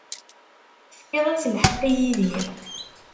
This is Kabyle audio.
Tefkiḍ-as lḥeqq i Yidir.